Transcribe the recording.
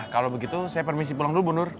kalau begitu saya permisi pulang dulu bunur